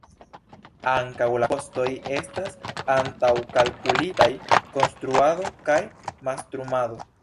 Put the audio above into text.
Ankaŭ la kostoj estas antaŭkalkulitaj: konstruado kaj mastrumado.